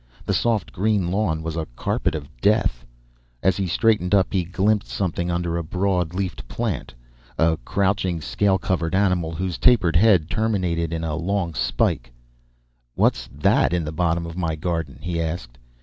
The soft green lawn was a carpet of death. As he straightened up he glimpsed something under a broad leafed plant. A crouching, scale covered animal, whose tapered head terminated in a long spike. "What's that in the bottom of my garden?" he asked.